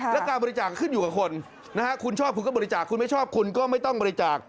และการบริจาคขึ้นอยู่กับคนนะฮะคุณชอบคุณก็บริจาคคุณไม่ชอบคุณก็ไม่ต้องบริจาค